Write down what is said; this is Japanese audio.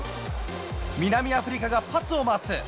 南アフリカがパスを回す。